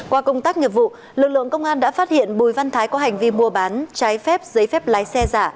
qua công tác nghiệp vụ lực lượng công an đã phát hiện bùi văn thái có hành vi mua bán trái phép giấy phép lái xe giả